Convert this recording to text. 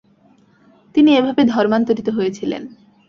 তিনি এভাবে ধর্মান্তরিত হয়েছিলেন।